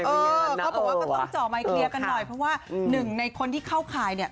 ต้องเจาะไมค์เคลียร์กันหน่อยเพราะว่าหนึ่งในคนที่เข้าขายเนี่ย